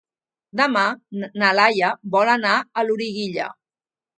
Demà na Laia vol anar a Loriguilla.